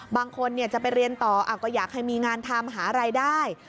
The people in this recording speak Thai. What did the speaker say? บางคนจะไปเรียนต่อก็อยากให้มีงานทำหารายได้